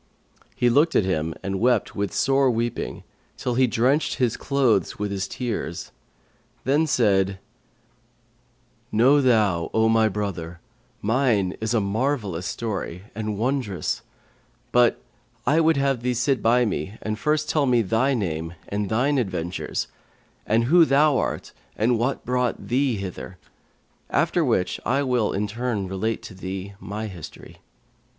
He looked at him and wept with sore weeping, till he drenched his clothes with his tears; then said, 'Know thou, O my brother, mine is a marvellous story and a wondrous; but I would have thee sit by me and first tell me thy name and thine adventures and who thou art and what brought thee hither; after which I will, in turn, relate to thee my history.'